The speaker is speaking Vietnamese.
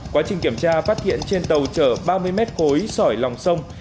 quá trình kiểm tra phát hiện trên tàu chở ba mươi mét khối sỏi lòng sông